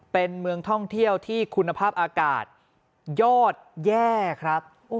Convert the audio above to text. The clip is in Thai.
เป็นเมืองท่องเที่ยวที่คุณภาพอากาศยอดแย่ครับ